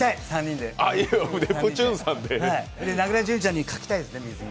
で、名倉潤ちゃんの描きたいですね